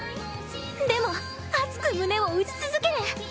でも熱く胸を打ち続ける。